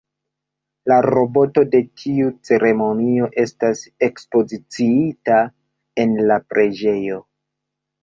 La robo de tiu ceremonio estas ekspoziciita en la preĝejo.